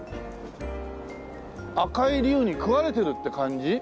赤い竜に食われてるって感じ？